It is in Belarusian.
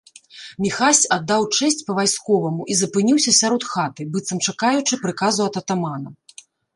Міхась аддаў чэсць па-вайсковаму і запыніўся сярод хаты, быццам чакаючы прыказу ад атамана.